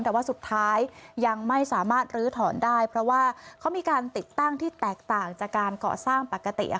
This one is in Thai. แต่ว่าสุดท้ายยังไม่สามารถลื้อถอนได้เพราะว่าเขามีการติดตั้งที่แตกต่างจากการก่อสร้างปกติ